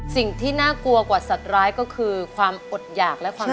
สิ่งที่น่ากลัวกว่าสัตว์ร้ายก็คือความอดหยากและความรัก